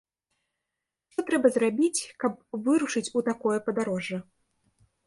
Што трэба зрабіць, каб вырушыць у такое падарожжа?